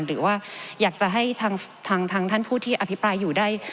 หรือว่าอยากจะให้ทางท่านผู้ที่อภิปรายอยู่ได้